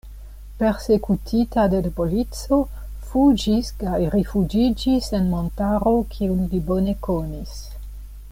Persekutita de la polico fuĝis kaj rifuĝiĝis en montaro kiun li bone konis.